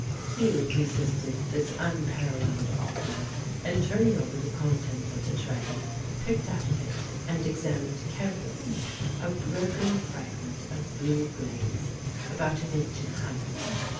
Hugh resisted this unparalleled offer, and, turn ing over the contents of the tray, picked out of it and examined carefully a broken fragment of blue glaze, about an inch in height.